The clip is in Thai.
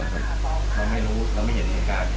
เราไม่รู้เราไม่เห็นเหตุการณ์